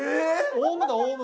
オウムだオウム。